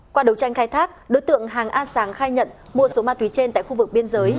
qua đấu tranh khai thác đối tượng hàng a sáng khai nhận mua số ma túy trên tại khu vực biên giới